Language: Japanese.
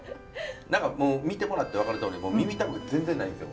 何かもう見てもらって分かるとおり耳たぶが全然ないんですよ。